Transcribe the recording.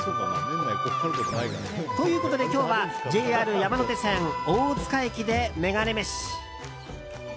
ということで、今日はＪＲ山手線大塚駅でメガネ飯。